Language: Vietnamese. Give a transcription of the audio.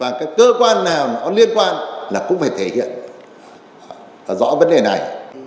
và cái cơ quan nào nó liên quan là cũng phải thể hiện và rõ vấn đề này